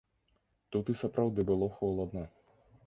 Тут і сапраўды было холадна.